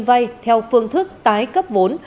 vay theo phương thức tái cấp vốn